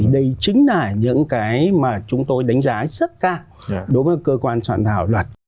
đây chính là những cái mà chúng tôi đánh giá rất cao đối với cơ quan soạn thảo luật